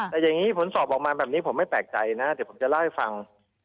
แต่อย่างนี้ผลสอบออกมาแบบนี้ผมไม่แปลกใจนะเดี๋ยวผมจะเล่าให้ฟัง